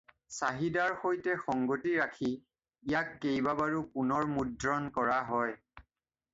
চাহিদাৰ সৈতে সংগতি ৰাখি ইয়াক কেইবাবাৰো পুনৰ্মুদ্ৰণ কৰা হয়।